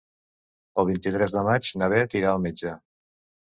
El vint-i-tres de maig na Bet irà al metge.